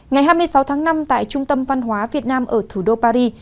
ngày hai mươi sáu tháng năm tại trung tâm văn hóa việt nam ở thủ đô paris